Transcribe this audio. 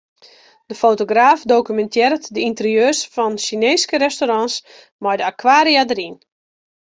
De fotograaf dokumintearret de ynterieurs fan Sjineeske restaurants mei de akwaria dêryn.